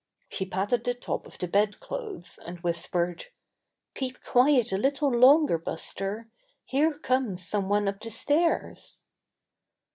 She patted the top of the bed clothes, and whispered: ^^Keep quiet a little longer, Buster. Here comes some one up the stairs."